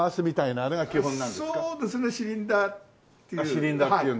シリンダーっていう。